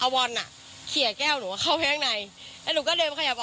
บอลอ่ะเขียแก้วหนูเข้าไปข้างในแล้วหนูก็เดินมาขยับ